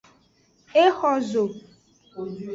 E xo zo.